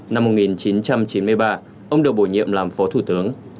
năm một nghìn chín trăm chín mươi ba ông được bổ nhiệm làm phó thủ tướng